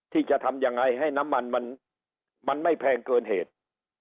ที่จะทำยังไงให้น้ำมันมันไม่แพงเกินเหตุ